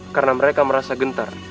karena mereka merasa gentar